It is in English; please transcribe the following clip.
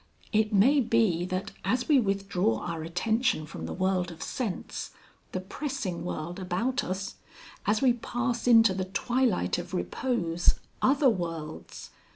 It may be that as we withdraw our attention from the world of sense, the pressing world about us, as we pass into the twilight of repose, other worlds....